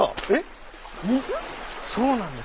そうなんです。